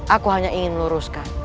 aku hanya ingin meluruskan